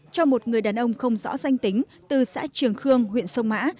cho một người đàn ông không rõ danh tính từ xã trường khương huyện sông mã